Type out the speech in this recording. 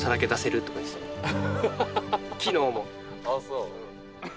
ああそう？